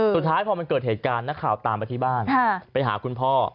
สุดท้ายพอมันเกิดเหตุการณ์นักข่าวตามไปที่บ้านไปหาคุณพ่อ